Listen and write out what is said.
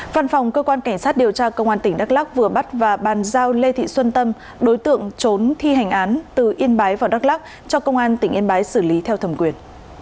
văn phòng cơ quan cảnh sát điều tra công an tỉnh đắk lắc vừa bắt và bàn giao lê thị xuân tâm đối tượng trốn thi hành án từ yên bái vào đắk lắc cho công an tỉnh yên bái xử lý theo thẩm quyền